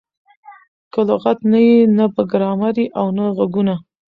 که لغت نه يي؛ نه به ګرامر يي او نه ږغونه.